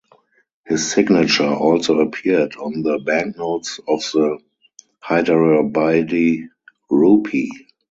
His signature also appeared on the banknotes of the Hyderabadi rupee.